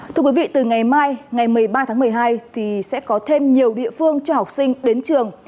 thưa quý vị từ ngày mai ngày một mươi ba tháng một mươi hai thì sẽ có thêm nhiều địa phương cho học sinh đến trường